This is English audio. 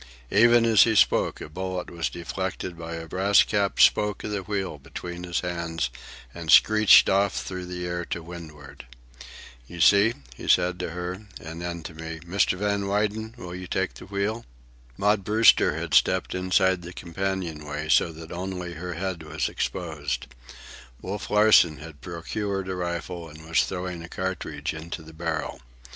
Even as he spoke, a bullet was deflected by a brass capped spoke of the wheel between his hands and screeched off through the air to windward. "You see," he said to her; and then to me, "Mr. Van Weyden, will you take the wheel?" Maud Brewster had stepped inside the companion way so that only her head was exposed. Wolf Larsen had procured a rifle and was throwing a cartridge into the barrel.